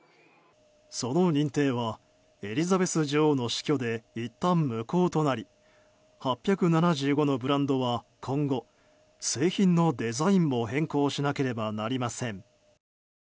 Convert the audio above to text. その認定はエリザベス女王の死去でいったん無効となり８７５のブランドは今後、製品のデザインも変更しなければなりません。